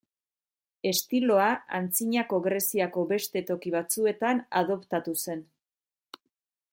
Estiloa Antzinako Greziako beste toki batzuetan adoptatu zen.